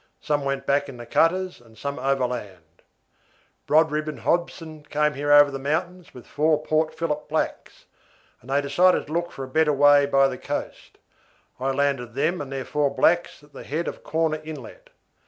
Some went back in the cutters and some overland. "Brodribb and Hobson came here over the mountains with four Port Phillip blacks, and they decided to look for a better way by the coast. I landed them and their four blacks at the head of Corner Inlet.